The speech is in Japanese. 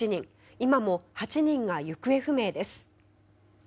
今も８人が行方不明です。